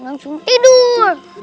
dan dia tidur